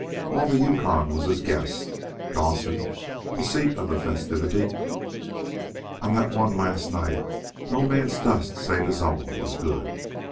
All the Yukon was his guest, Dawson the seat of the festivity. On that one last night no man's dust save his own was good.